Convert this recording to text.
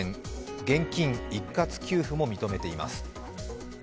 現金一括給付も認めています。